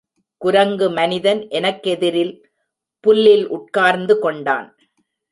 குரங்கு மனிதன் எனக்கெதிரில் புல்லில் உட்கார்ந்து கொண்டான்.